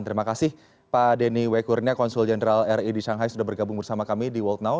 terima kasih pak denny wekurnia konsul jenderal ri di shanghai sudah bergabung bersama kami di world now